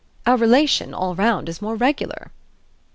Our relation, all round, is more regular."